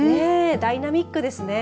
ダイナミックですね。